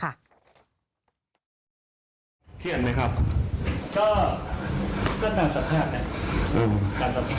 เครียดไหมครับก็ก็ตามสัมภาษณ์แหละ